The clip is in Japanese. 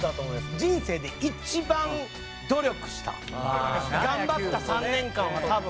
人生で一番努力した頑張った３年間は多分。